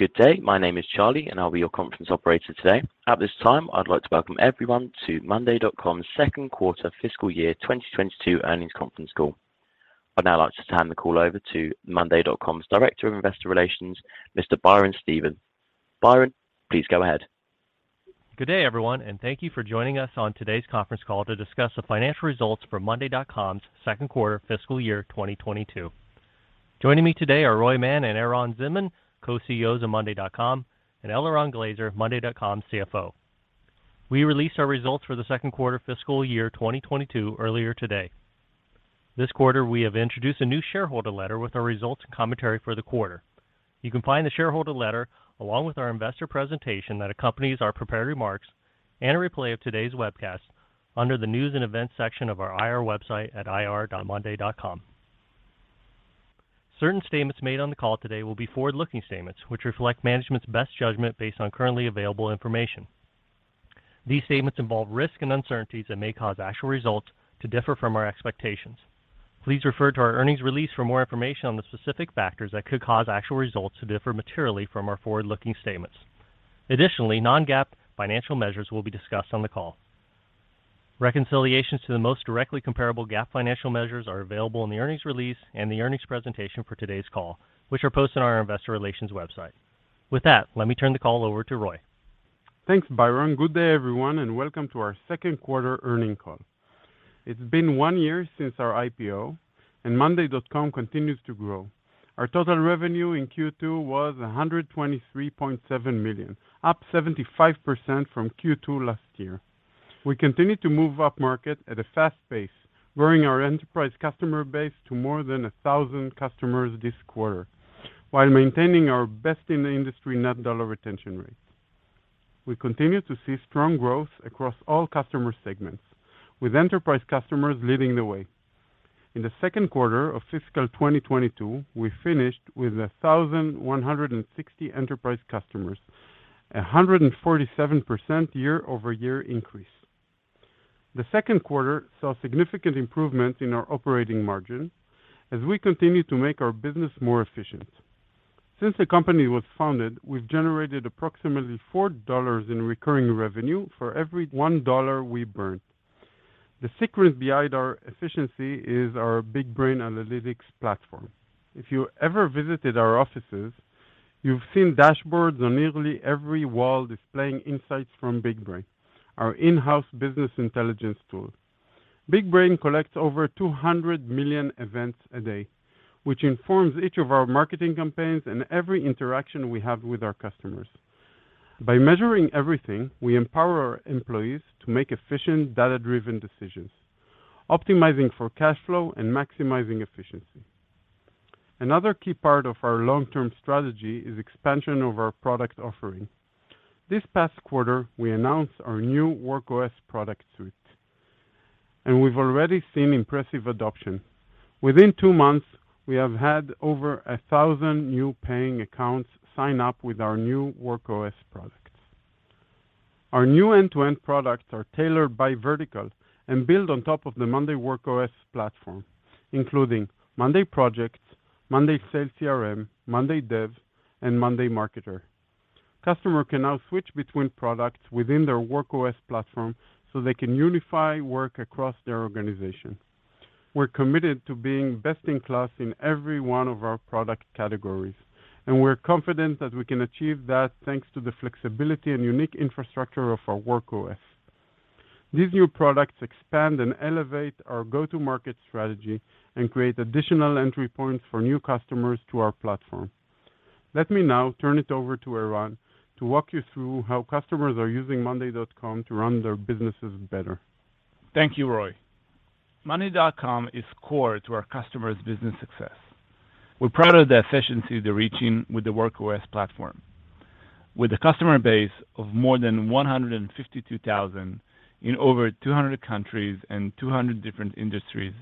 Good day. My name is Charlie, and I'll be your conference operator today. At this time, I'd like to welcome everyone to monday.com's second quarter fiscal year 2022 earnings conference call. I'd now like to turn the call over to monday.com's Director of Investor Relations, Mr. Byron Stephen. Byron, please go ahead. Good day, everyone, and thank you for joining us on today's conference call to discuss the financial results for monday.com's second quarter fiscal year 2022. Joining me today are Roy Mann and Eran Zinman, Co-CEOs of monday.com, and Eliran Glazer, monday.com's CFO. We released our results for the second quarter fiscal year 2022 earlier today. This quarter, we have introduced a new shareholder letter with our results and commentary for the quarter. You can find the shareholder letter along with our investor presentation that accompanies our prepared remarks and a replay of today's webcast under the News and Events section of our IR website at ir.monday.com. Certain statements made on the call today will be forward-looking statements, which reflect management's best judgment based on currently available information. These statements involve risks and uncertainties that may cause actual results to differ from our expectations. Please refer to our earnings release for more information on the specific factors that could cause actual results to differ materially from our forward-looking statements. Additionally, non-GAAP financial measures will be discussed on the call. Reconciliations to the most directly comparable GAAP financial measures are available in the earnings release and the earnings presentation for today's call, which are posted on our investor relations website. With that, let me turn the call over to Roy. Thanks, Byron. Good day, everyone, and welcome to our second quarter earnings call. It's been one year since our IPO, and monday.com continues to grow. Our total revenue in Q2 was $123.7 million, up 75% from Q2 last year. We continue to move upmarket at a fast pace, growing our enterprise customer base to more than 1,000 customers this quarter while maintaining our best in the industry net dollar retention rate. We continue to see strong growth across all customer segments, with enterprise customers leading the way. In the second quarter of fiscal 2022, we finished with 1,160 enterprise customers, a 147% year-over-year increase. The second quarter saw significant improvement in our operating margin as we continue to make our business more efficient. Since the company was founded, we've generated approximately $4 in recurring revenue for every $1 we burned. The secret behind our efficiency is our BigBrain analytics platform. If you ever visited our offices, you've seen dashboards on nearly every wall displaying insights from BigBrain, our in-house business intelligence tool. BigBrain collects over 200 million events a day, which informs each of our marketing campaigns and every interaction we have with our customers. By measuring everything, we empower our employees to make efficient, data-driven decisions, optimizing for cash flow and maximizing efficiency. Another key part of our long-term strategy is expansion of our product offering. This past quarter, we announced our new Work OS product suite, and we've already seen impressive adoption. Within two months, we have had over 1,000 new paying accounts sign up with our new Work OS products. Our new end-to-end products are tailored by vertical and build on top of the monday Work OS platform, including monday Projects, monday sales CRM, monday dev, and monday marketer. Customers can now switch between products within their Work OS platform so they can unify work across their organization. We're committed to being best in class in every one of our product categories, and we're confident that we can achieve that thanks to the flexibility and unique infrastructure of our Work OS. These new products expand and elevate our go-to-market strategy and create additional entry points for new customers to our platform. Let me now turn it over to Eran to walk you through how customers are using monday.com to run their businesses better. Thank you, Roy. monday.com is core to our customers' business success. We're proud of the efficiency they're reaching with the Work OS platform. With a customer base of more than 152,000 in over 200 countries and 200 different industries,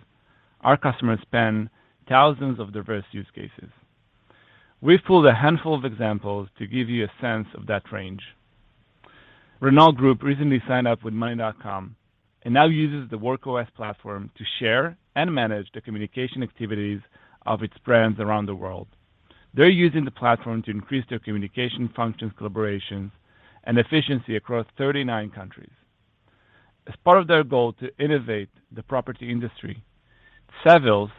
our customers span thousands of diverse use cases. We've pulled a handful of examples to give you a sense of that range. Renault Group recently signed up with monday.com and now uses the Work OS platform to share and manage the communication activities of its brands around the world. They're using the platform to increase their communication functions, collaborations, and efficiency across 39 countries. As part of their goal to innovate the property industry, Savills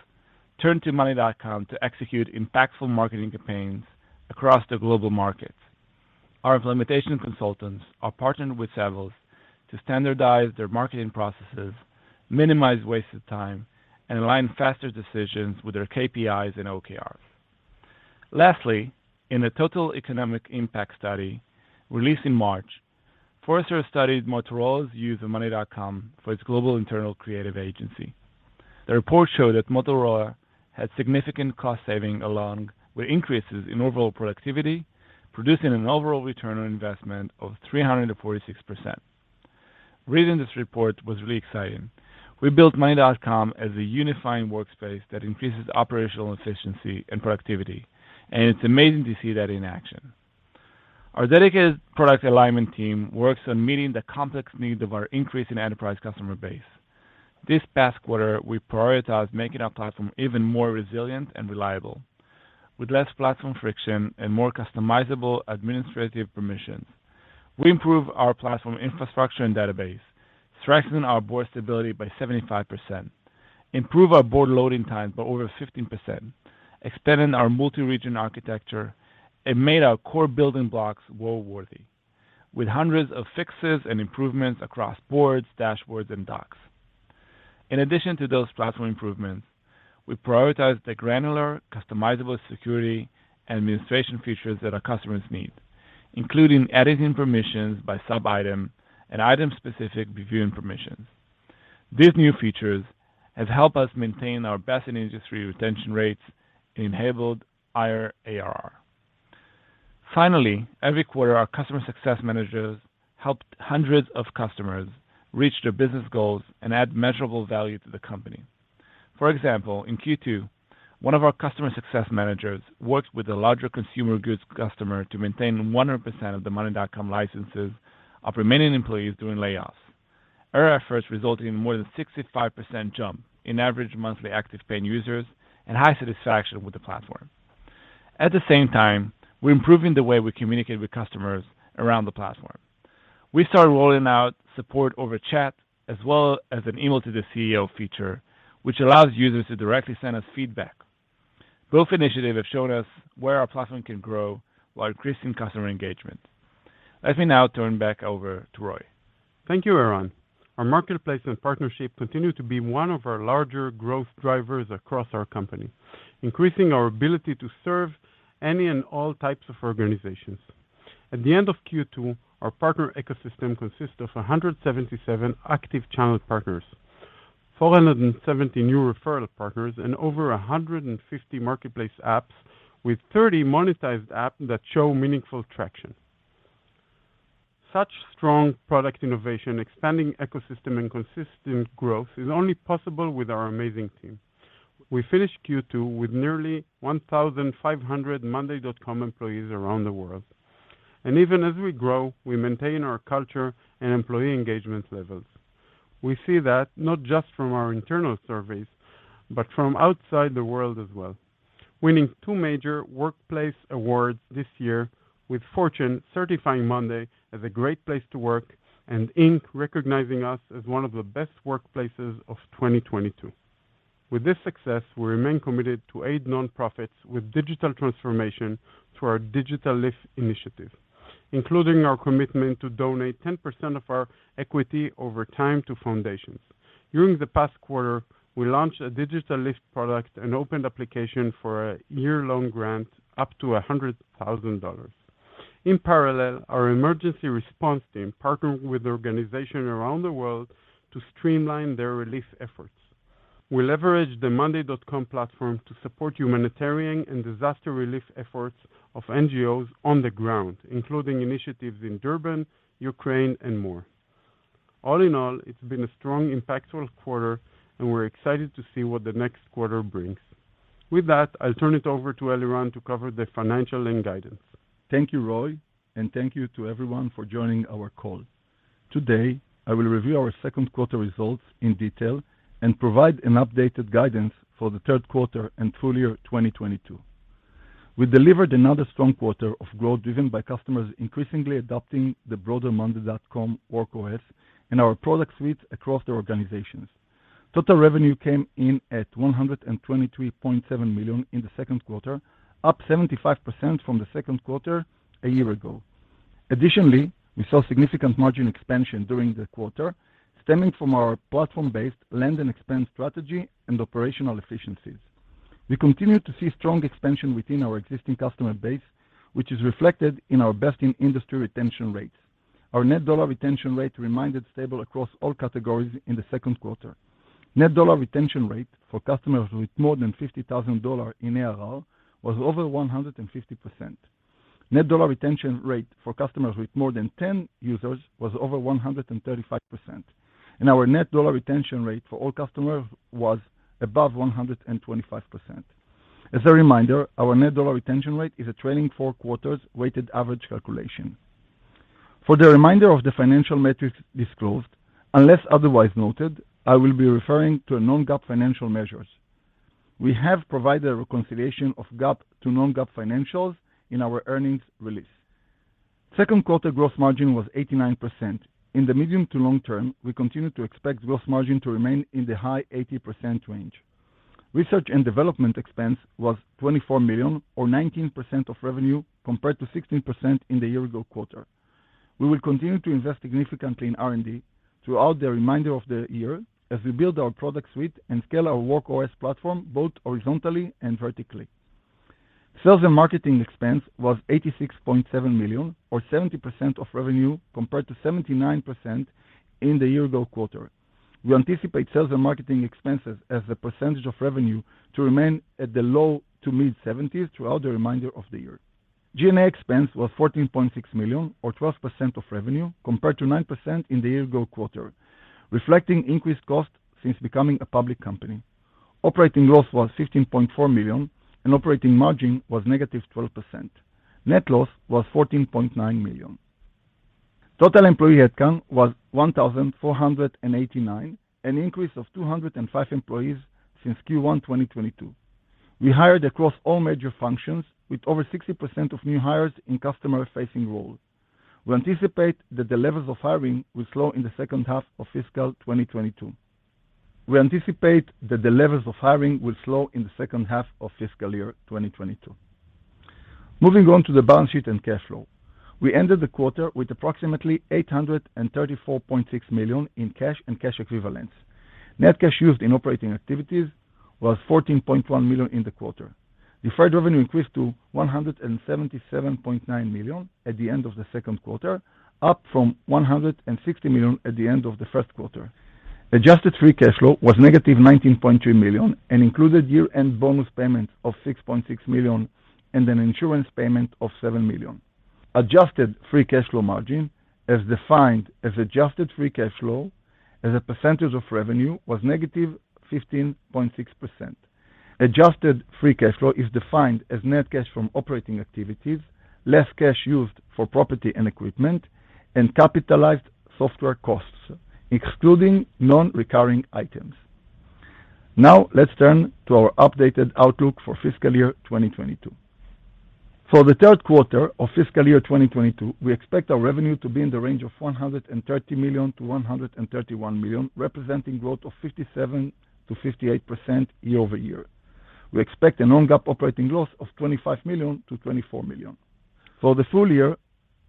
turned to monday.com to execute impactful marketing campaigns across the global market. Our implementation consultants are partnered with Savills to standardize their marketing processes, minimize wasted time, and align faster decisions with their KPIs and OKRs. In a total economic impact study released in March, Forrester studied Motorola's use of monday.com for its global internal creative agency. The report showed that Motorola had significant cost saving along with increases in overall productivity, producing an overall return on investment of 346%. Reading this report was really exciting. We built monday.com as a unifying workspace that increases operational efficiency and productivity, and it's amazing to see that in action. Our dedicated product alignment team works on meeting the complex needs of our increasing enterprise customer base. This past quarter, we prioritized making our platform even more resilient and reliable. With less platform friction and more customizable administrative permissions, we improved our platform infrastructure and database, strengthening our board stability by 75%, improved our board loading time by over 15%, expanding our multi-region architecture, and made our core building blocks world worthy, with hundreds of fixes and improvements across boards, dashboards and docs. In addition to those platform improvements, we prioritize the granular, customizable security and administration features that our customers need, including editing permissions by sub item and item-specific review permissions. These new features have helped us maintain our best in industry retention rates enabled higher ARR. Finally, every quarter, our customer success managers helped hundreds of customers reach their business goals and add measurable value to the company. For example, in Q2, one of our customer success managers worked with a larger consumer goods customer to maintain 100% of the monday.com licenses of remaining employees during layoffs. Our efforts resulted in more than 65% jump in average monthly active paying users and high satisfaction with the platform. At the same time, we're improving the way we communicate with customers around the platform. We started rolling out support over chat as well as an email to the CEO feature, which allows users to directly send us feedback. Both initiatives have shown us where our platform can grow while increasing customer engagement. Let me now turn back over to Roy. Thank you, Eran. Our marketplace and partnership continue to be one of our larger growth drivers across our company, increasing our ability to serve any and all types of organizations. At the end of Q2, our partner ecosystem consists of 177 active channel partners, 470 new referral partners, and over 150 marketplace apps with 30 monetized apps that show meaningful traction. Such strong product innovation, expanding ecosystem and consistent growth is only possible with our amazing team. We finished Q2 with nearly 1,500 monday.com employees around the world. Even as we grow, we maintain our culture and employee engagement levels. We see that not just from our internal surveys, but from outside the world as well. Winning two major workplace awards this year with Fortune certifying monday as a great place to work and Inc. Recognizing us as one of the best workplaces of 2022. With this success, we remain committed to aid nonprofits with digital transformation through our Digital Lift initiative, including our commitment to donate 10% of our equity over time to foundations. During the past quarter, we launched a Digital Lift product and opened application for a year-long grant up to $100,000. In parallel, our emergency response team partnered with organizations around the world to streamline their relief efforts. We leveraged the monday.com platform to support humanitarian and disaster relief efforts of NGOs on the ground, including initiatives in Durban, Ukraine, and more. All in all, it's been a strong, impactful quarter, and we're excited to see what the next quarter brings. With that, I'll turn it over to Eliran to cover the financial and guidance. Thank you, Roy, and thank you to everyone for joining our call. Today, I will review our second quarter results in detail and provide an updated guidance for the third quarter and full year 2022. We delivered another strong quarter of growth driven by customers increasingly adopting the broader monday.com Work OS and our product suites across the organizations. Total revenue came in at $123.7 million in the second quarter, up 75% from the second quarter a year ago. Additionally, we saw significant margin expansion during the quarter, stemming from our platform-based land and expand strategy and operational efficiencies. We continue to see strong expansion within our existing customer base, which is reflected in our best-in-industry retention rates. Our net dollar retention rate remained stable across all categories in the second quarter. Net dollar retention rate for customers with more than $50,000 in ARR was over 150%. Net dollar retention rate for customers with more than 10 users was over 135%. Our net dollar retention rate for all customers was above 125%. As a reminder, our net dollar retention rate is a trailing four quarters weighted average calculation. For the remainder of the financial metrics disclosed, unless otherwise noted, I will be referring to non-GAAP financial measures. We have provided a reconciliation of GAAP to non-GAAP financials in our earnings release. Second quarter gross margin was 89%. In the medium to long term, we continue to expect gross margin to remain in the high 80% range. Research and development expense was $24 million or 19% of revenue, compared to 16% in the year-ago quarter. We will continue to invest significantly in R&D throughout the remainder of the year as we build our product suite and scale our Work OS platform both horizontally and vertically. Sales and marketing expense was $86.7 million or 70% of revenue, compared to 79% in the year-ago quarter. We anticipate sales and marketing expenses as a percentage of revenue to remain at the low- to mid-70s% throughout the remainder of the year. G&A expense was $14.6 million or 12% of revenue, compared to 9% in the year-ago quarter, reflecting increased costs since becoming a public company. Operating loss was $15.4 million, and operating margin was negative 12%. Net loss was $14.9 million. Total employee headcount was 1,489, an increase of 205 employees since Q1 2022. We hired across all major functions with over 60% of new hires in customer-facing roles. We anticipate that the levels of hiring will slow in the second half of fiscal year 2022. Moving on to the balance sheet and cash flow. We ended the quarter with approximately $834.6 million in cash and cash equivalents. Net cash used in operating activities was $14.1 million in the quarter. Deferred revenue increased to $177.9 million at the end of the second quarter, up from $160 million at the end of the first quarter. Adjusted free cash flow was -$19.2 million and included year-end bonus payments of $6.6 million and an insurance payment of $7 million. Adjusted free cash flow margin as defined as adjusted free cash flow as a percentage of revenue was -15.6%. Adjusted free cash flow is defined as net cash from operating activities, less cash used for property and equipment and capitalized software costs, excluding non-recurring items. Now, let's turn to our updated outlook for fiscal year 2022. For the third quarter of fiscal year 2022, we expect our revenue to be in the range of $130 million-$131 million, representing growth of 57%-58% year-over-year. We expect a non-GAAP operating loss of $25 million-$24 million. For the full year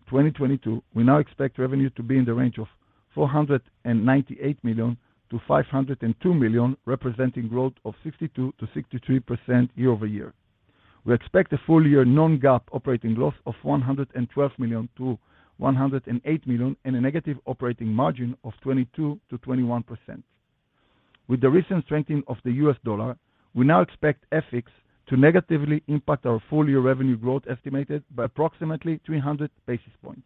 2022, we now expect revenue to be in the range of $498 million-$502 million, representing growth of 62%-63% year-over-year. We expect a full year non-GAAP operating loss of $112 million-$108 million and a negative operating margin of 22%-21%. With the recent strengthening of the U.S. dollar, we now expect FX to negatively impact our full year revenue growth estimated by approximately 300 basis points.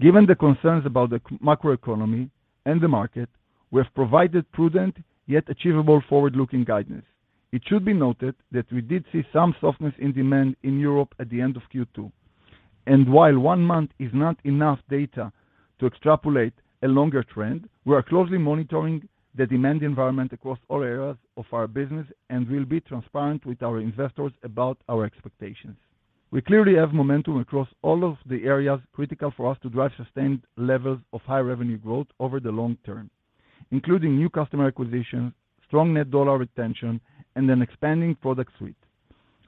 Given the concerns about the macroeconomy and the market, we have provided prudent yet achievable forward-looking guidance. It should be noted that we did see some softness in demand in Europe at the end of Q2. While one month is not enough data to extrapolate a longer trend, we are closely monitoring the demand environment across all areas of our business and will be transparent with our investors about our expectations. We clearly have momentum across all of the areas critical for us to drive sustained levels of high revenue growth over the long term, including new customer acquisition, strong net dollar retention, and an expanding product suite.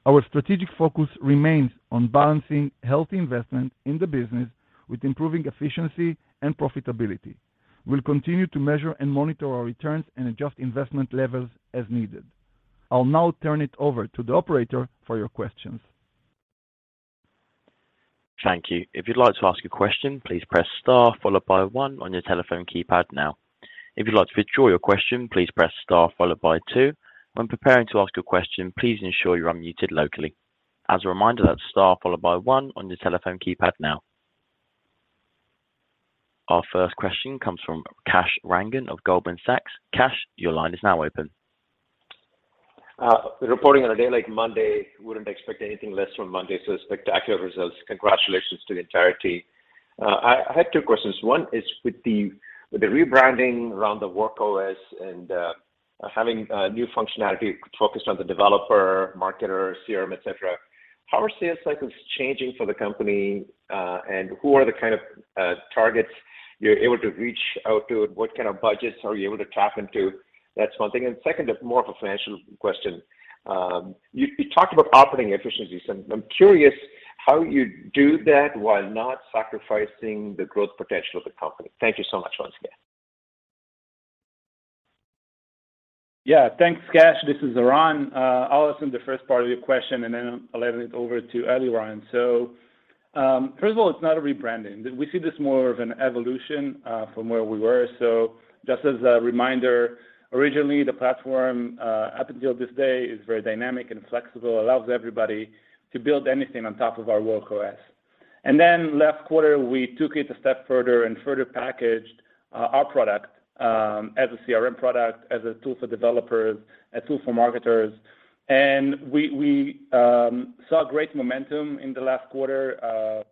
Our strategic focus remains on balancing healthy investment in the business with improving efficiency and profitability. We'll continue to measure and monitor our returns and adjust investment levels as needed. I'll now turn it over to the operator for your questions. Thank you. If you'd like to ask a question, please press star followed by one on your telephone keypad now. If you'd like to withdraw your question, please press star followed by two. When preparing to ask a question, please ensure you're unmuted locally. As a reminder, that's star followed by one on your telephone keypad now. Our first question comes from Kash Rangan of Goldman Sachs. Kash, your line is now open. Reporting on a day like monday, wouldn't expect anything less from monday.com. Spectacular results. Congratulations to the entire team. I had two questions. One is with the rebranding around the Work OS and having new functionality focused on monday dev, monday marketer, monday sales CRM, et cetera, how are sales cycles changing for the company, and who are the kind of targets you're able to reach out to? What kind of budgets are you able to tap into? That's one thing. Second is more of a financial question. You talked about operating efficiencies, and I'm curious how you do that while not sacrificing the growth potential of the company. Thank you so much once again. Yeah. Thanks, Kash. This is Eran. I'll answer the first part of your question, and then I'll hand it over to Eliran. First of all, it's not a rebranding. We see this more of an evolution from where we were. Just as a reminder, originally the platform up until this day is very dynamic and flexible, allows everybody to build anything on top of our Work OS. Then last quarter, we took it a step further and further packaged our product as a CRM product, as a tool for developers, a tool for marketers. We saw great momentum in the last quarter,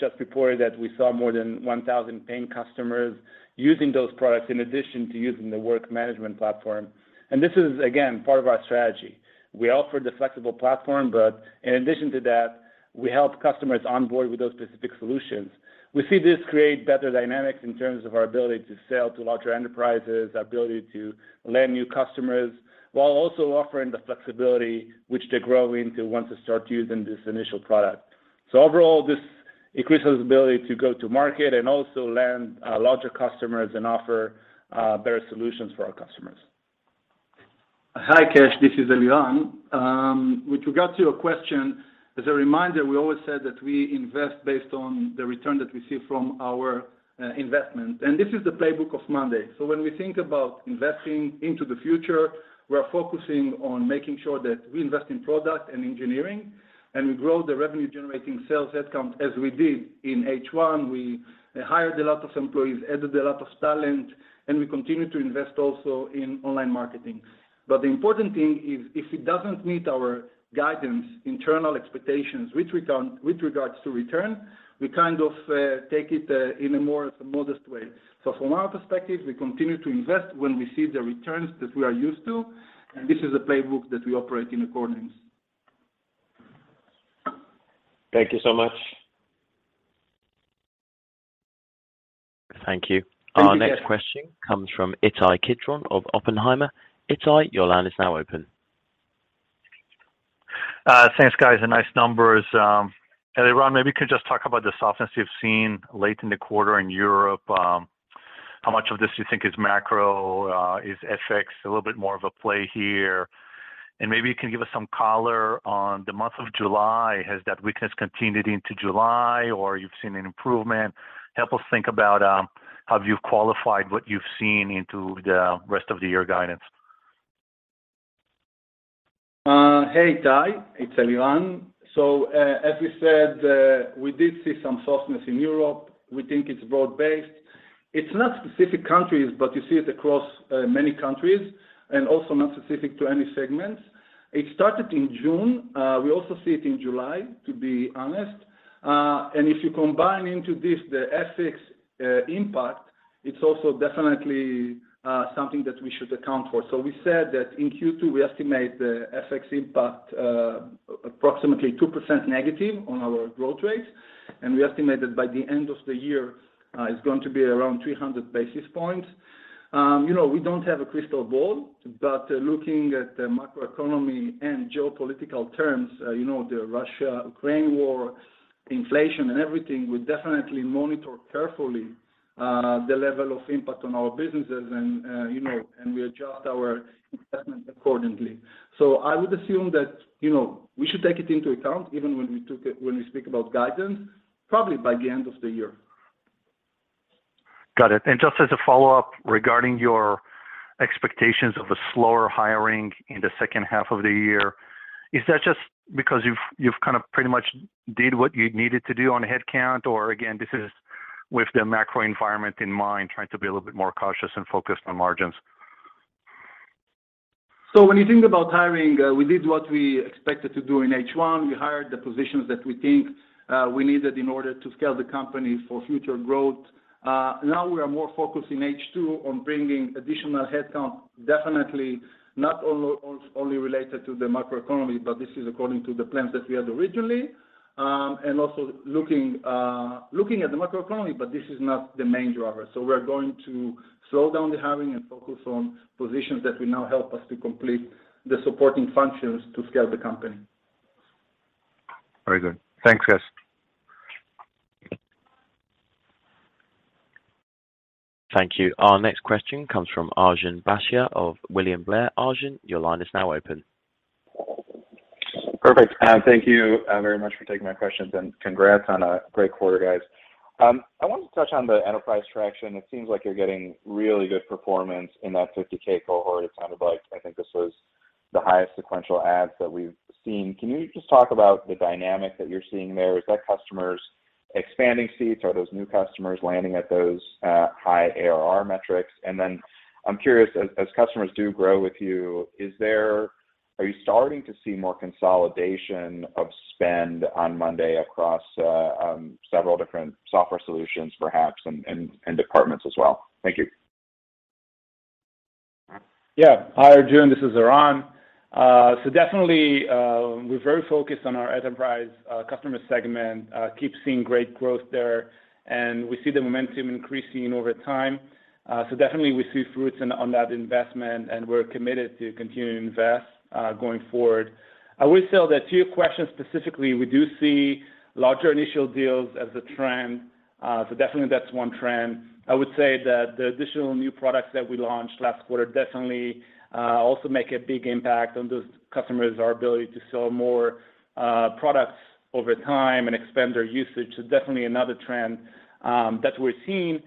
just reported that we saw more than 1,000 paying customers using those products in addition to using the work management platform. This is again part of our strategy. We offer the flexible platform, but in addition to that, we help customers onboard with those specific solutions. We see this create better dynamics in terms of our ability to sell to larger enterprises, our ability to land new customers while also offering the flexibility which they grow into once they start using this initial product. Overall, this increases ability to go to market and also land larger customers and offer better solutions for our customers. Hi, Kash, this is Eliran. With regards to your question, as a reminder, we always said that we invest based on the return that we see from our investment. This is the playbook of monday. When we think about investing into the future, we're focusing on making sure that we invest in product and engineering, and we grow the revenue generating sales headcount as we did in H1. We hired a lot of employees, added a lot of talent, and we continue to invest also in online marketing. The important thing is if it doesn't meet our guidance, internal expectations, which, with regards to return, we kind of take it in a more modest way. From our perspective, we continue to invest when we see the returns that we are used to, and this is a playbook that we operate in accordance. Thank you so much. Thank you. Thank you. Our next question comes from Ittai Kidron of Oppenheimer. Ittai, your line is now open. Thanks, guys. Nice numbers. Eliran, maybe you could just talk about the softness you've seen late in the quarter in Europe, how much of this you think is macro, is FX a little bit more of a play here? Maybe you can give us some color on the month of July. Has that weakness continued into July, or you've seen an improvement? Help us think about, have you qualified what you've seen into the rest of the year guidance? Hey, Ittai, it's Eliran. As we said, we did see some softness in Europe. We think it's broad-based. It's not specific countries, but you see it across many countries and also not specific to any segments. It started in June. We also see it in July, to be honest. If you combine into this the FX impact, it's also definitely something that we should account for. We said that in Q2, we estimate the FX impact approximately 2% negative on our growth rates, and we estimate it by the end of the year, it's going to be around 300 basis points. You know, we don't have a crystal ball, but looking at the macroeconomy and geopolitical terms, you know, the Russia-Ukraine war, inflation and everything, we definitely monitor carefully the level of impact on our businesses and, you know, and we adjust our investment accordingly. I would assume that, you know, we should take it into account even when we speak about guidance, probably by the end of the year. Got it. Just as a follow-up regarding your expectations of a slower hiring in the second half of the year, is that just because you've kind of pretty much did what you needed to do on headcount? Again, this is with the macro environment in mind, trying to be a little bit more cautious and focused on margins. When you think about hiring, we did what we expected to do in H1. We hired the positions that we think we needed in order to scale the company for future growth. Now we are more focused in H2 on bringing additional headcount, definitely not only related to the macroeconomy, but this is according to the plans that we had originally. Also looking at the macroeconomy, but this is not the main driver. We're going to slow down the hiring and focus on positions that will now help us to complete the supporting functions to scale the company. Very good. Thanks, guys. Thank you. Our next question comes from Arjun Bhatia of William Blair. Arjun, your line is now open. Perfect. Thank you very much for taking my questions, and congrats on a great quarter, guys. I wanted to touch on the enterprise traction. It seems like you're getting really good performance in that 50,000 cohort. It sounded like I think this was the highest sequential adds that we've seen. Can you just talk about the dynamic that you're seeing there? Is that customers expanding seats? Are those new customers landing at those high ARR metrics? I'm curious, as customers do grow with you, are you starting to see more consolidation of spend on monday across several different software solutions, perhaps, and departments as well? Thank you. Yeah. Hi, Arjun, this is Eran. Definitely, we're very focused on our enterprise customer segment. Keep seeing great growth there, and we see the momentum increasing over time. Definitely we see fruits on that investment, and we're committed to continue to invest going forward. I will say that to your question specifically, we do see larger initial deals as a trend. Definitely that's one trend. I would say that the additional new products that we launched last quarter definitely also make a big impact on those customers, our ability to sell more products over time and expand their usage. Definitely another trend that we're seeing.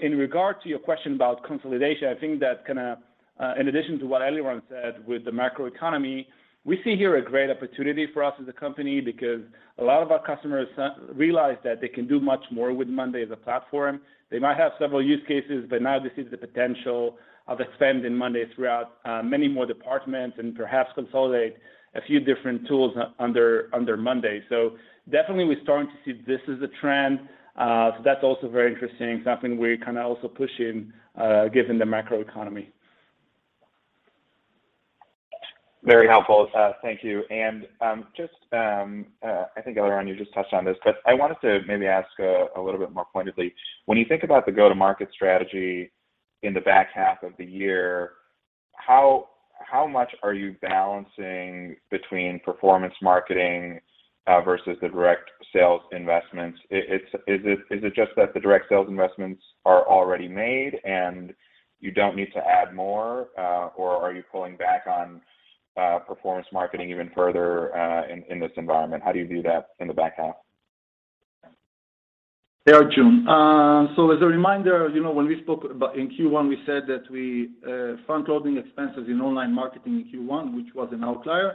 In regard to your question about consolidation, I think that kinda in addition to what Eliran said with the macroeconomy, we see here a great opportunity for us as a company because a lot of our customers realize that they can do much more with Monday as a platform. They might have several use cases, but now they see the potential of expanding Monday throughout many more departments and perhaps consolidate a few different tools under Monday. Definitely we're starting to see this is a trend. That's also very interesting, something we're kinda also pushing given the macroeconomy. Very helpful. Thank you. I think, Eliran, you just touched on this, but I wanted to maybe ask a little bit more pointedly. When you think about the go-to-market strategy in the back half of the year, how much are you balancing between performance marketing versus the direct sales investments? Is it just that the direct sales investments are already made, and you don't need to add more, or are you pulling back on performance marketing even further in this environment? How do you view that in the back half? Hey, Arjun Bhatia, as a reminder, you know, when we spoke about in Q1, we said that we front-loading expenses in online marketing in Q1, which was an outlier.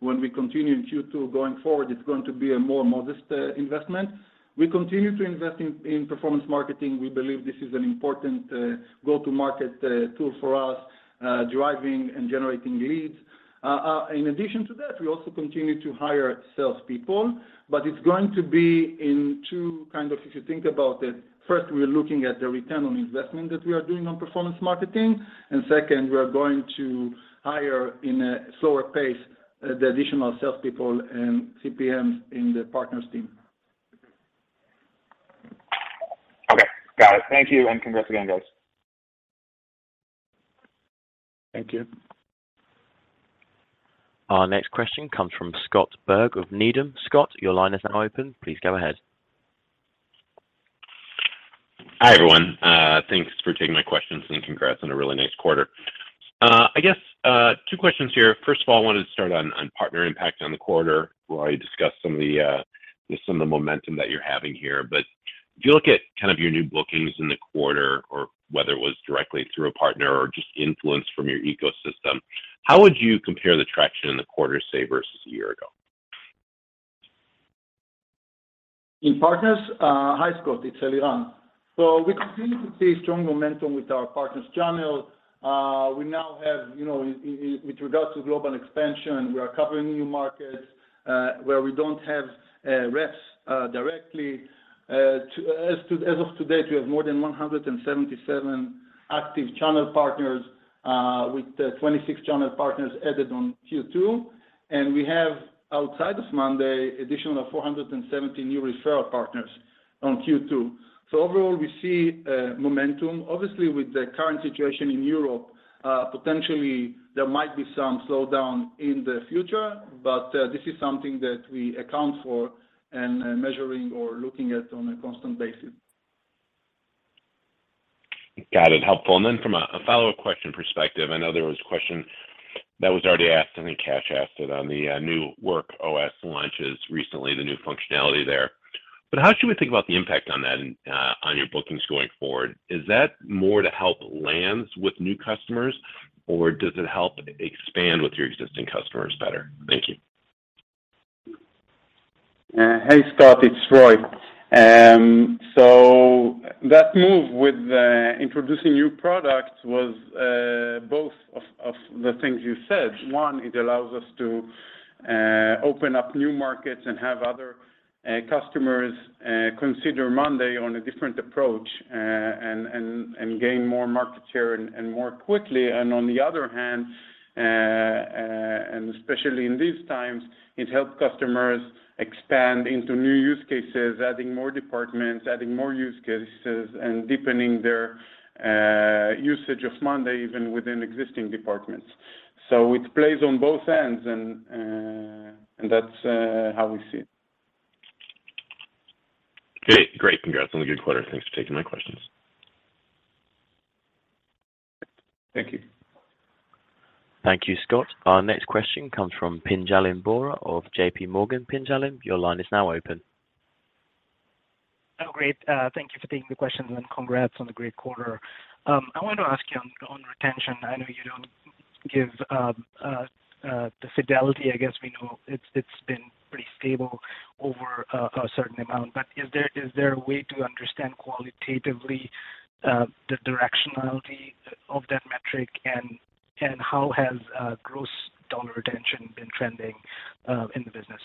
When we continue in Q2 going forward, it's going to be a more modest investment. We continue to invest in performance marketing. We believe this is an important go-to-market tool for us, driving and generating leads. In addition to that, we also continue to hire salespeople, but it's going to be in two kind of, if you think about it, first, we're looking at the return on investment that we are doing on performance marketing, and second, we are going to hire in a slower pace, the additional salespeople and CPMs in the partners team. Okay. Got it. Thank you, and congrats again, guys. Thank you. Our next question comes from Scott Berg of Needham. Scott, your line is now open. Please go ahead. Hi, everyone. Thanks for taking my questions, and congrats on a really nice quarter. I guess, two questions here. First of all, I wanted to start on partner impact on the quarter. Roy discussed some of the momentum that you're having here. If you look at kind of your new bookings in the quarter or whether it was directly through a partner or just influence from your ecosystem, how would you compare the traction in the quarter, say, versus a year ago? In partners, hi, Scott, it's Eliran. We continue to see strong momentum with our partners channel. We now have, you know, with regards to global expansion, we are covering new markets where we don't have reps directly. As of today, we have more than 177 active channel partners with 26 channel partners added on Q2. We have, outside of monday.com, additional 470 new referral partners on Q2. Overall, we see momentum. Obviously, with the current situation in Europe, potentially there might be some slowdown in the future, but this is something that we account for and measuring or looking at on a constant basis. Got it. Helpful. From a follow-up question perspective, I know there was a question that was already asked. I think Kash asked it on the new Work OS launches recently, the new functionality there. How should we think about the impact on that and on your bookings going forward? Is that more to help land with new customers or does it help expand with your existing customers better? Thank you. Hey, Scott, it's Roy. That move with introducing new products was both of the things you said. One, it allows us to open up new markets and have other customers consider monday on a different approach, and gain more market share and more quickly. On the other hand, especially in these times, it helps customers expand into new use cases, adding more departments, adding more use cases, and deepening their usage of monday even within existing departments. It plays on both ends and that's how we see it. Great. Congrats on the good quarter. Thanks for taking my questions. Thank you. Thank you, Scott. Our next question comes from Pinjalim Bora of JPMorgan. Pinjalim, your line is now open. Oh, great. Thank you for taking the questions, and congrats on the great quarter. I wanted to ask you on retention. I know you don't give the fidelity. I guess we know it's been pretty stable over a certain amount. Is there a way to understand qualitatively the directionality of that metric and how has gross dollar retention been trending in the business?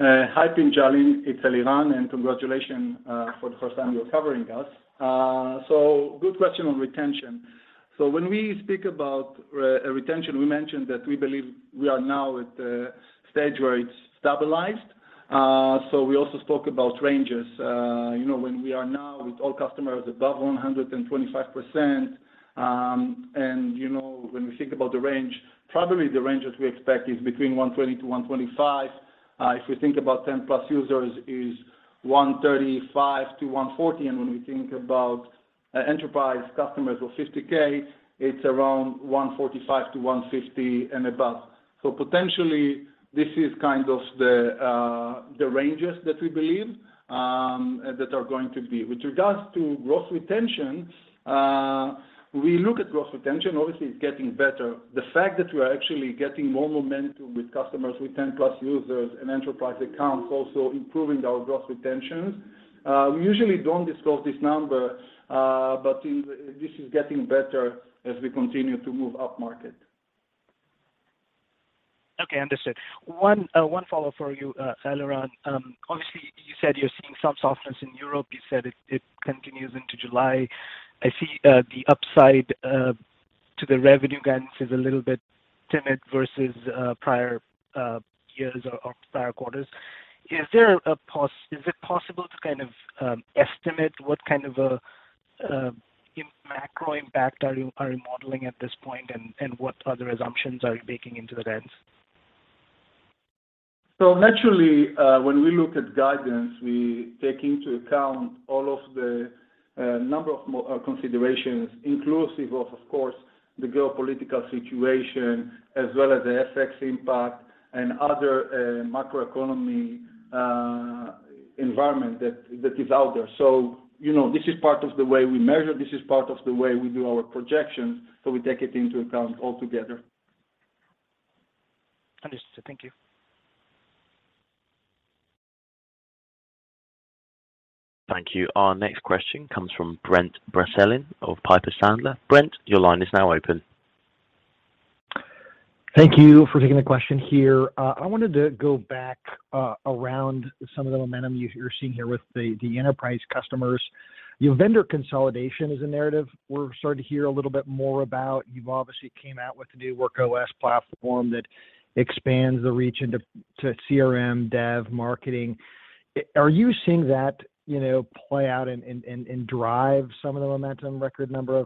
Hi, Pinjalim. It's Eliran, and congratulations for the first time you're covering us. Good question on retention. When we speak about retention, we mentioned that we believe we are now at the stage where it's stabilized. We also spoke about ranges. You know, when we are now with all customers above 125%, and you know, when we think about the range, probably the ranges we expect is between 120%-125%. If we think about 10+ users is 135%-140%. When we think about enterprise customers or 50,000, it's around 145%-150% and above. Potentially this is kind of the ranges that we believe that are going to be. With regards to gross retention, we look at gross retention, obviously it's getting better. The fact that we are actually getting more momentum with customers with 10+ users and enterprise accounts also improving our gross retention. We usually don't disclose this number, but this is getting better as we continue to move up market. Okay. Understood. One follow-up for you, Eliran. Obviously you said you're seeing some softness in Europe. You said it continues into July. I see the upside to the revenue guidance is a little bit timid versus prior years or prior quarters. Is it possible to kind of estimate what kind of a macro impact are you modeling at this point, and what other assumptions are you making into the guidance? Naturally, when we look at guidance, we take into account all of the considerations inclusive of course, the geopolitical situation as well as the FX impact and other macroeconomic environment that is out there. You know, this is part of the way we measure. This is part of the way we do our projections, so we take it into account altogether. Understood. Thank you. Thank you. Our next question comes from Brent Bracelin of Piper Sandler. Brent, your line is now open. Thank you for taking the question here. I wanted to go back around some of the momentum you're seeing here with the enterprise customers. You know, vendor consolidation is a narrative we're starting to hear a little bit more about. You've obviously came out with the new Work OS platform that expands the reach into monday sales CRM, monday dev, monday marketer. Are you seeing that, you know, play out and drive some of the momentum, record number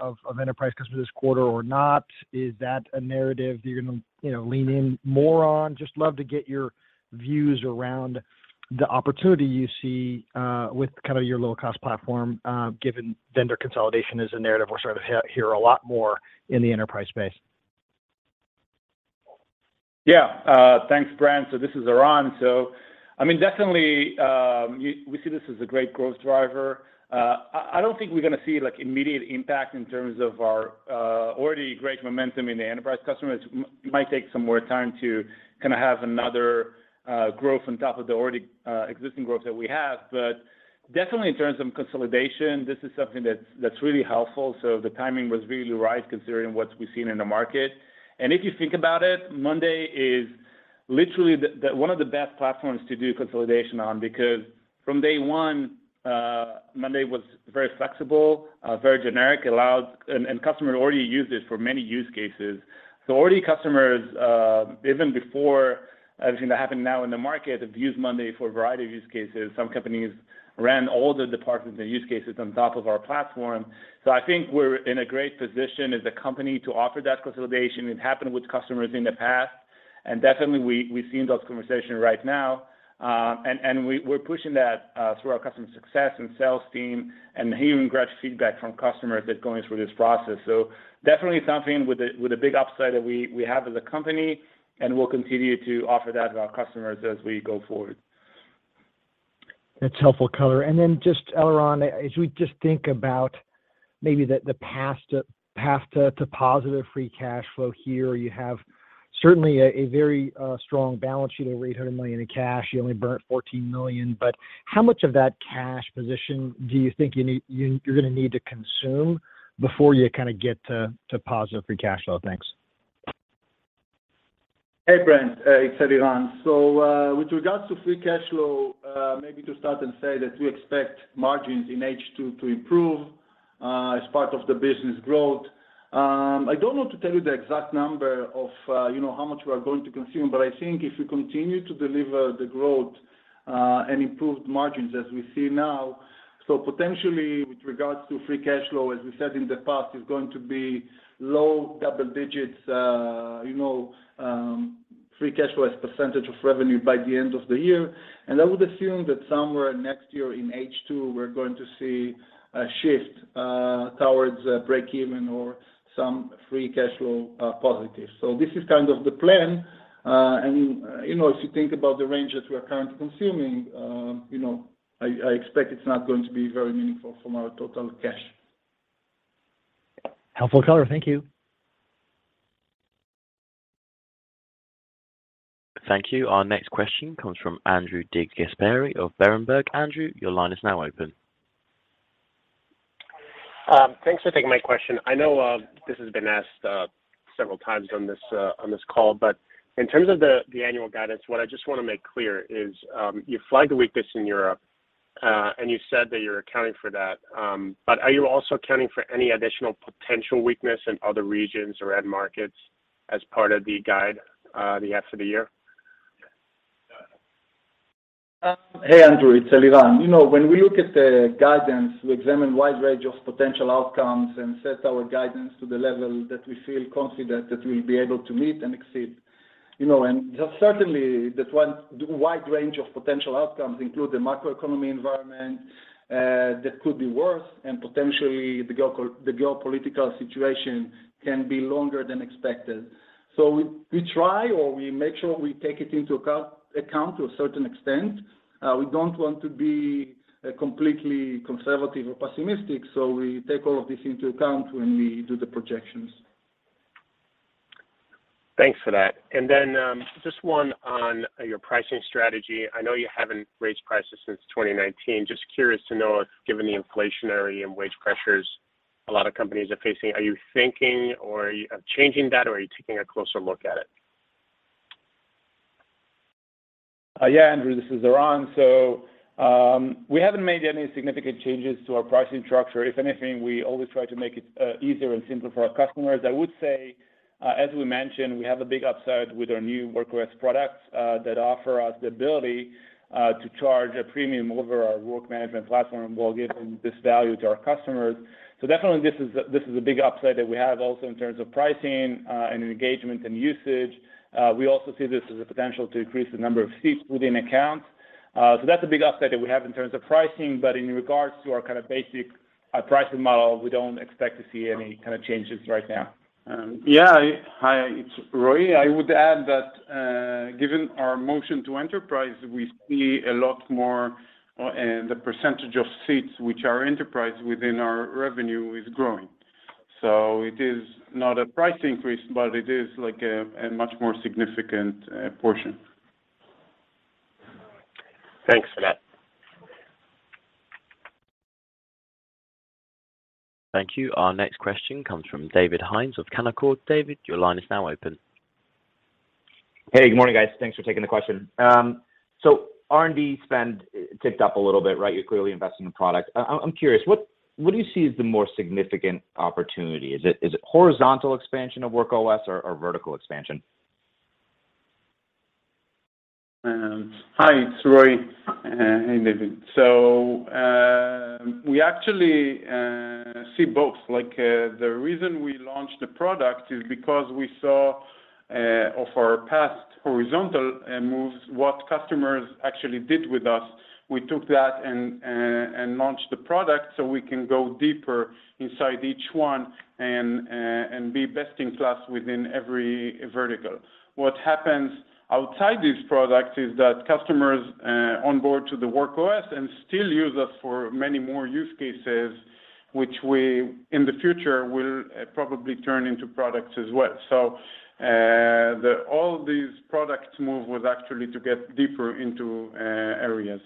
of enterprise customers this quarter or not? Is that a narrative you're gonna, you know, lean in more on? Just love to get your views around the opportunity you see with kinda your low-cost platform, given vendor consolidation is a narrative we're starting to hear a lot more in the enterprise space. Yeah. Thanks, Brent. This is Eran. I mean, definitely, we see this as a great growth driver. I don't think we're gonna see, like, immediate impact in terms of our already great momentum in the enterprise customers. Might take some more time to kinda have another growth on top of the already existing growth that we have. Definitely in terms of consolidation, this is something that's really helpful. The timing was really right considering what we've seen in the market. If you think about it, monday is literally the one of the best platforms to do consolidation on, because from day one, Monday was very flexible, very generic, allowed, and customers already used it for many use cases. Already customers, even before everything that happened now in the market, have used Monday for a variety of use cases. Some companies ran all the departments and use cases on top of our platform. I think we're in a great position as a company to offer that consolidation. It happened with customers in the past, and definitely we're seeing those conversations right now. We're pushing that through our customer success and sales team, and hearing great feedback from customers that are going through this process. Definitely something with a big upside that we have as a company, and we'll continue to offer that to our customers as we go forward. That's helpful color. Then just, Eran, as we just think about maybe the path to positive free cash flow here, you have certainly a very strong balance sheet, over $800 million in cash. You only burned $14 million. How much of that cash position do you think you're gonna need to consume before you kinda get to positive free cash flow? Thanks. Hey, Brent. It's Eliran. With regards to free cash flow, maybe to start and say that we expect margins in H2 to improve as part of the business growth. I don't want to tell you the exact number of, you know, how much we are going to consume, but I think if we continue to deliver the growth and improved margins as we see now, potentially with regards to free cash flow, as we said in the past, is going to be low double digits, you know, free cash flow as percentage of revenue by the end of the year. I would assume that somewhere next year in H2, we're going to see a shift towards a break-even or some free cash flow positive. This is kind of the plan. you know, if you think about the range that we are currently consuming, you know, I expect it's not going to be very meaningful from our total cash. Helpful color. Thank you. Thank you. Our next question comes from Andrew DeGasperi of Berenberg. Andrew, your line is now open. Thanks for taking my question. I know this has been asked several times on this call, but in terms of the annual guidance, what I just wanna make clear is, you flagged the weakness in Europe, and you said that you're accounting for that. Are you also accounting for any additional potential weakness in other regions or end markets as part of the guide, the rest of the year? Hey, Andrew DeGasperi, it's Eliran. You know, when we look at the guidance, we examine wide range of potential outcomes and set our guidance to the level that we feel confident that we'll be able to meet and exceed. You know, just certainly the wide range of potential outcomes include the macroeconomic environment that could be worse and potentially the geopolitical situation can be longer than expected. We try or we make sure we take it into account to a certain extent. We don't want to be completely conservative or pessimistic, so we take all of this into account when we do the projections. Thanks for that. Just one on your pricing strategy. I know you haven't raised prices since 2019. Just curious to know if, given the inflationary and wage pressures a lot of companies are facing, are you thinking or are you changing that or are you taking a closer look at it? Yeah, Andrew, this is Eran. We haven't made any significant changes to our pricing structure. If anything, we always try to make it easier and simpler for our customers. I would say, as we mentioned, we have a big upside with our new Work OS products that offer us the ability to charge a premium over our work management platform while giving this value to our customers. Definitely this is a big upside that we have also in terms of pricing and engagement and usage. We also see this as a potential to increase the number of seats within accounts. That's a big upside that we have in terms of pricing, but in regards to our kinda basic pricing model, we don't expect to see any kinda changes right now. Yeah. Hi, it's Roy. I would add that, Given our motion to enterprise, we see a lot more, and the percentage of seats which are enterprise within our revenue is growing. It is not a price increase, but it is like a much more significant portion. Thanks for that. Thank you. Our next question comes from David Hynes of Canaccord. David, your line is now open. Hey, good morning, guys. Thanks for taking the question. R&D spend ticked up a little bit, right? You're clearly investing in product. I'm curious, what do you see as the more significant opportunity? Is it horizontal expansion of Work OS or vertical expansion? Hi, it's Roy. Hey, David. We actually see both. Like, the reason we launched the product is because we saw, of our past horizontal moves, what customers actually did with us. We took that and launched the product so we can go deeper inside each one and be best in class within every vertical. What happens outside this product is that customers onboard to the Work OS and still use us for many more use cases, which we, in the future, will probably turn into products as well. All these products move was actually to get deeper into areas.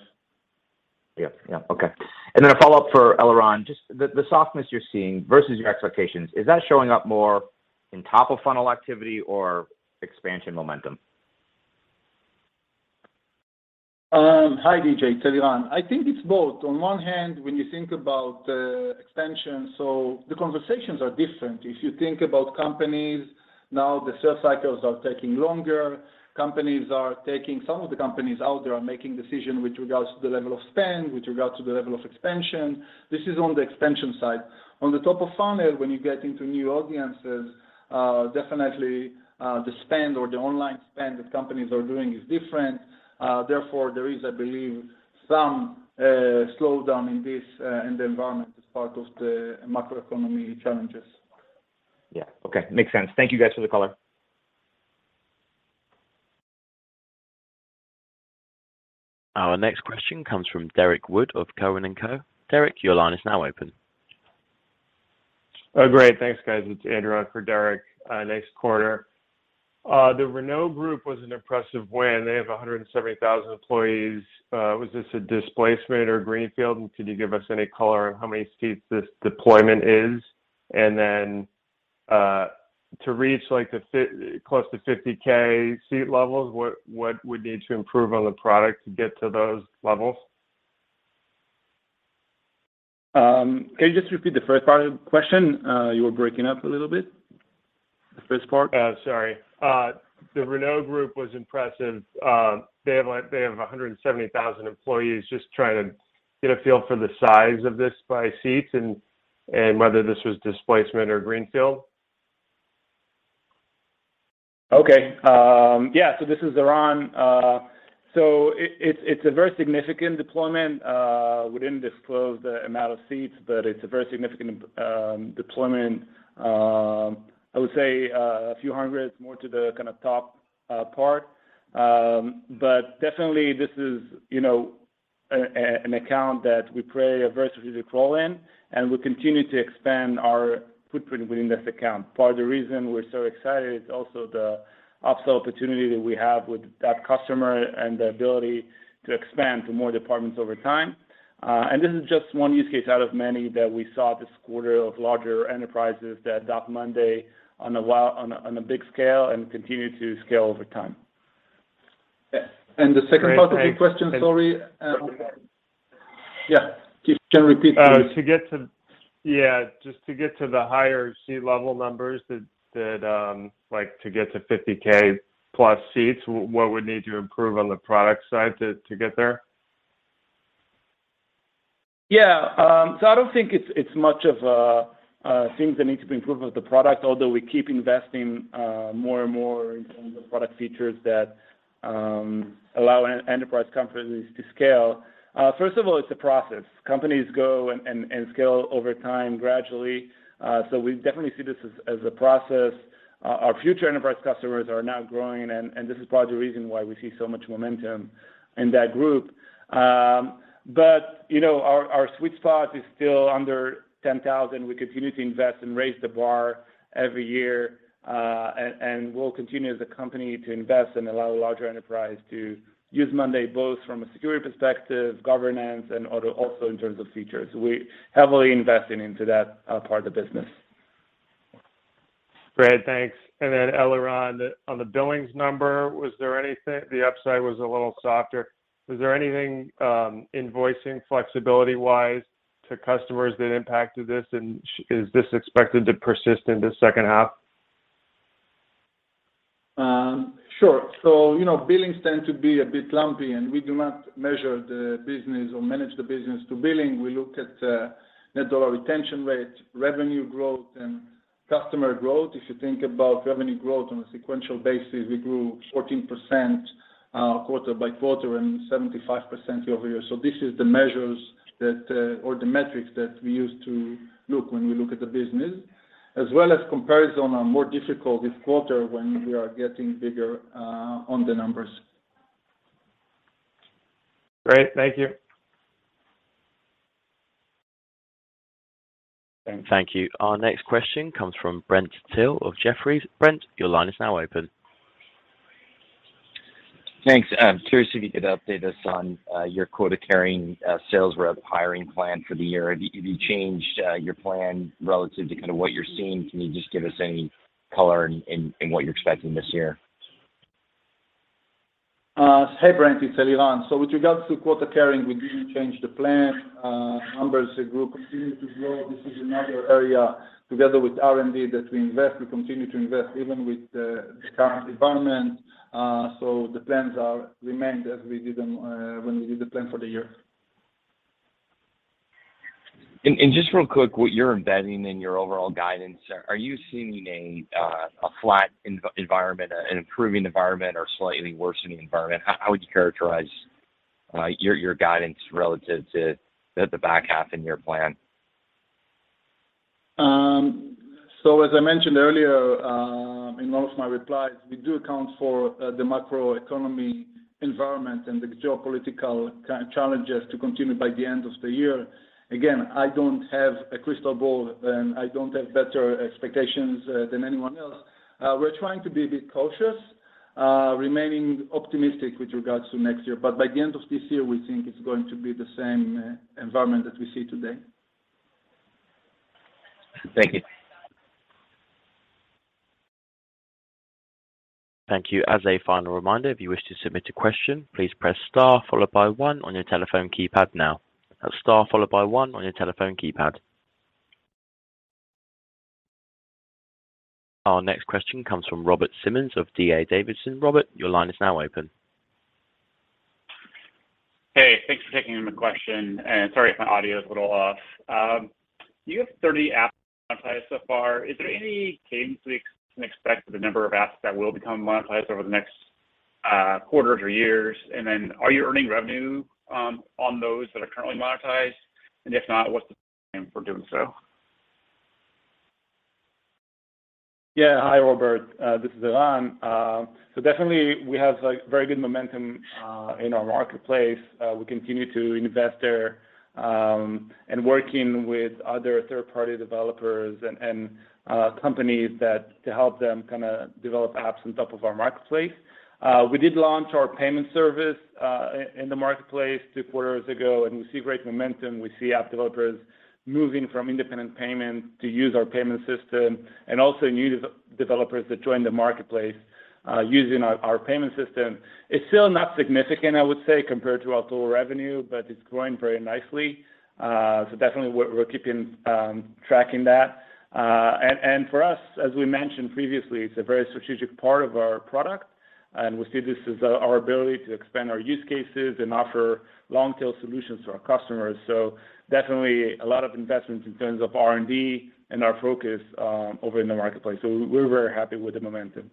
Yeah. Yeah. Okay. A follow-up for Eliran. Just the softness you're seeing versus your expectations, is that showing up more in top of funnel activity or expansion momentum? Hi, DJ. It's Eliran. I think it's both. On one hand, when you think about the extension, so the conversations are different. If you think about companies, now the sales cycles are taking longer. Some of the companies out there are making decision with regards to the level of spend, with regards to the level of expansion. This is on the expansion side. On the top of funnel, when you get into new audiences, definitely, the spend or the online spend that companies are doing is different. Therefore, there is, I believe, some slowdown in this, in the environment as part of the macroeconomic challenges. Yeah. Okay. Makes sense. Thank you guys for the color. Our next question comes from Derrick Wood of Cowen and Company. Derrick, your line is now open. Oh, great. Thanks, guys. It's Andrew Sherman on for Derrick Wood. Nice quarter. The Renault Group was an impressive win. They have 170,000 employees. Was this a displacement or greenfield? Could you give us any color on how many seats this deployment is? To reach close to 50,000 seat levels, what would need to improve on the product to get to those levels? Can you just repeat the first part of the question? You were breaking up a little bit. The first part. The Renault Group was impressive. They have like 170,000 employees. Just trying to get a feel for the size of this by seats and whether this was displacement or greenfield. Okay. This is Eran. It's a very significant deployment. We didn't disclose the amount of seats, but it's a very significant deployment. I would say a few hundred. It's more to the kinda top part. But definitely this is, you know, an account that we play a very strategic role in, and we continue to expand our footprint within this account. Part of the reason we're so excited is also the upsell opportunity that we have with that customer and the ability to expand to more departments over time. This is just one use case out of many that we saw this quarter of larger enterprises that adopt monday.com on a big scale and continue to scale over time. Yeah. The second part of your question, sorry. Yeah. If you can repeat please. Just to get to the higher seat level numbers that like to get to 50,000 + seats, what would need to improve on the product side to get there? Yeah. I don't think it's much of a things that need to be improved with the product, although we keep investing more and more in terms of product features that allow enterprise companies to scale. First of all, it's a process. Companies go and scale over time gradually. We definitely see this as a process. Our future enterprise customers are now growing and this is part of the reason why we see so much momentum in that group. You know, our sweet spot is still under $10,000. We continue to invest and raise the bar every year. We'll continue as a company to invest and allow larger enterprise to use monday.com, both from a security perspective, governance, and also in terms of features. We're heavily investing into that, part of the business. Great. Thanks. Eliran, on the billings number, was there anything? The upside was a little softer. Was there anything invoicing flexibility-wise to customers that impacted this, and is this expected to persist in the second half? Sure. You know, billings tend to be a bit lumpy, and we do not measure the business or manage the business to billing. We look at net dollar retention rate, revenue growth, and customer growth. If you think about revenue growth on a sequential basis, we grew 14% quarter-over-quarter and 75% year-over-year. This is the measures that or the metrics that we use to look when we look at the business, as well as comparison on a more difficult quarter when we are getting bigger on the numbers. Great. Thank you. Thank you. Our next question comes from Brent Thill of Jefferies. Brent, your line is now open. Thanks. Curious if you could update us on your quota-carrying sales rep hiring plan for the year. Have you changed your plan relative to kind of what you're seeing? Can you just give us any color in what you're expecting this year? Hey, Brent, it's Eliran. With regards to quota carrying, we didn't change the plan. Numbers, we will continue to grow. This is another area, together with R&D, that we invest. We continue to invest even with the current environment. The plans remained as we did them when we did the plan for the year. Just real quick, what you're embedding in your overall guidance, are you seeing a flat environment, an improving environment, or slightly worsening environment? How would you characterize your guidance relative to the back half in your plan? As I mentioned earlier, in most of my replies, we do account for the macroeconomic environment and the geopolitical challenges to continue by the end of the year. Again, I don't have a crystal ball, and I don't have better expectations than anyone else. We're trying to be a bit cautious, remaining optimistic with regards to next year. By the end of this year, we think it's going to be the same environment that we see today. Thank you. Thank you. As a final reminder, if you wish to submit a question, please press star followed by one on your telephone keypad now. That's star followed by one on your telephone keypad. Our next question comes from Robert Simmons of D.A. Davidson. Robert, your line is now open. Hey, thanks for taking my question, and sorry if my audio's a little off. You have 30 apps monetized so far. Is there any cadence we can expect for the number of apps that will become monetized over the next quarters or years? And then are you earning revenue on those that are currently monetized? And if not, what's the plan for doing so? Yeah. Hi, Robert. This is Eran. Definitely we have, like, very good momentum in our marketplace. We continue to invest there, and working with other third-party developers and companies to help them kinda develop apps on top of our marketplace. We did launch our payment service in the marketplace two quarters ago, and we see great momentum. We see app developers moving from independent payment to use our payment system and also new developers that join the marketplace using our payment system. It's still not significant, I would say, compared to our total revenue, but it's growing very nicely. Definitely we're keeping tracking that. For us, as we mentioned previously, it's a very strategic part of our product, and we see this as our ability to expand our use cases and offer long-tail solutions to our customers. Definitely a lot of investments in terms of R&D and our focus over in the marketplace. We're very happy with the momentum.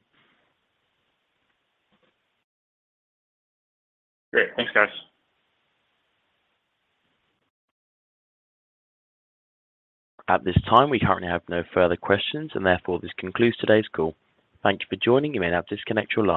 Great. Thanks, guys. At this time, we currently have no further questions, and therefore this concludes today's call. Thank you for joining. You may now disconnect your line.